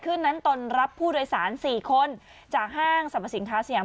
ขึ้นนั้นตนรับผู้โดยสารสี่คนจากห้างสรรพสิงฆาสยาม